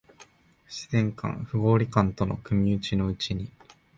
不自然感、不合理感との組打ちのうちに、